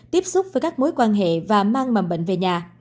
tiếp xúc với các mối quan hệ và mang mầm bệnh về nhà